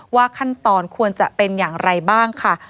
ว่าขั้นตอนควรจะเป็นอย่างไรบ้างค่ะ